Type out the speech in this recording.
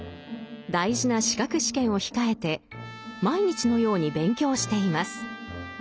大事な資格試験を控えて毎日のように勉強しています。